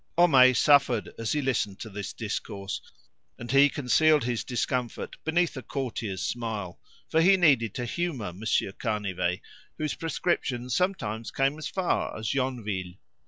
Homais suffered as he listened to this discourse, and he concealed his discomfort beneath a courtier's smile; for he needed to humour Monsier Canivet, whose prescriptions sometimes came as far as Yonville.